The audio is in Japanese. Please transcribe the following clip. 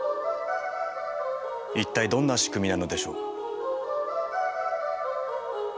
一体どんな仕組みなのでしょう？